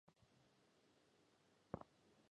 Я люблю, калі ўсё проста, але не прымітыўна.